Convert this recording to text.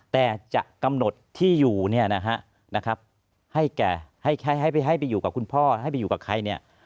แต่จะกำหนดที่อยู่เนี่ยนะฮะให้แกให้ไปอยู่กับคุณพ่อให้ไปอยู่กับใครเนี่ย